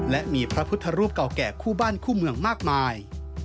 และมีพระพุทธรูปเก่าแก่คู่บ้านคู่เมืองมากมาย